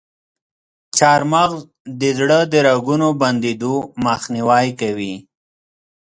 چارمغز د زړه د رګونو بندیدو مخنیوی کوي.